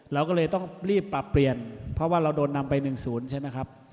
เราก็เลยต้องรีบปรับเปลี่ยนเพราะว่าเราโดนนำไป๑๐ใช่ไหมครับ